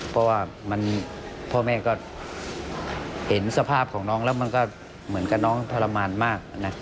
เพราะว่าพ่อแม่ก็เห็นสภาพของน้องแล้วมันก็เหมือนกับน้องทรมานมากนะ